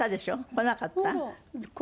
こなかった。